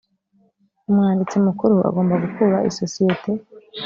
umwanditsi mukuru agomba gukura isosiyete